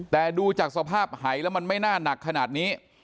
แต่ดูจากสภาพหายแล้วมันไม่น่าหนักขนาดนี้